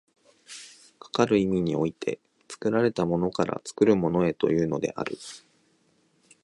かかる意味において、作られたものから作るものへというのである。